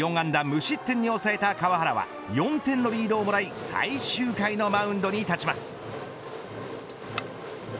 無失点に抑えた川原は４点のリードをもらい最終回のマウンドに立ちます。